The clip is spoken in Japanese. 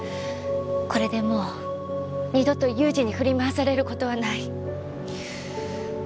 これでもう二度と雄二に振り回される事はない。